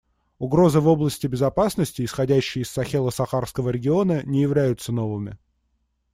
Угрозы в области безопасности, исходящие из Сахело-Сахарского региона, не являются новыми.